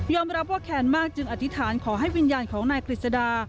รับว่าแคนมากจึงอธิษฐานขอให้วิญญาณของนายกฤษดา